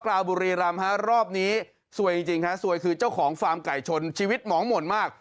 ราวบุรีรำฮะรอบนี้สวยจริงฮะสวยคือเจ้าของฟาร์มไก่ชนชีวิตหมองหม่นมาก